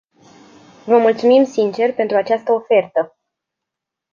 Vă mulțumim sincer pentru această ofertă.